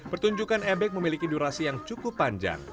pertunjukan ebek memiliki durasi yang cukup panjang